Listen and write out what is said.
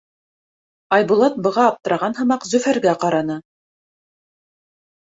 Айбулат, быға аптыраған һымаҡ, Зөфәргә ҡараны: